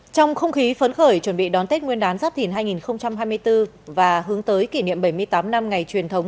trong không khí phấn khởi chuẩn bị đón tết nguyên đán giáp thìn hai nghìn hai mươi bốn và hướng tới kỷ niệm bảy mươi tám năm ngày truyền thống